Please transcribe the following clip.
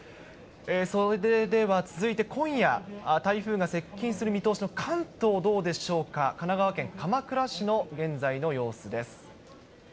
それでは続いて今夜、台風が接近する見通しの関東、どうでしょうか、神奈川県鎌倉市の現在の様子です。